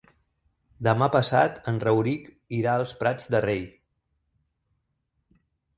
Demà passat en Rauric irà als Prats de Rei.